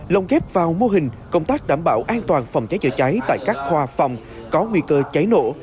lòng ghép vào mô hình công tác đảm bảo an toàn phòng cháy chở cháy tại các khóa phòng có nguy cơ cháy nổ